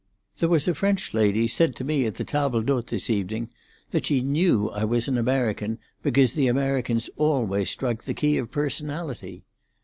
"There was a French lady said to me at the table d'hote this evening that she knew I was an American, because the Americans always strike the key of personality."